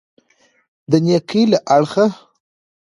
د نېکۍ له اړخه.